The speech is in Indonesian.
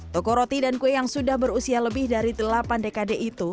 toko roti dan kue yang sudah berusia lebih dari delapan dekade itu